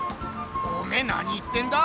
おめえ何言ってんだ？